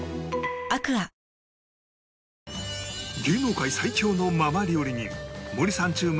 芸能界最強のママ料理人森三中